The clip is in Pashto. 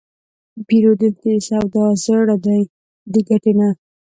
پیرودونکی د سودا زړه دی، د ګټې نه.